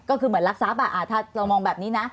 ก็คือเหมือนรักทรัพย์ถ้าเรามองแบบนี้นะ